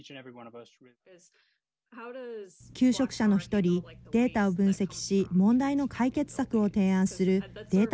求職者の１人、データを分析し問題の解決策を提案するデータ